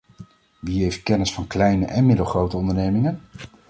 Wie heeft kennis van kleine en middelgrote ondernemingen?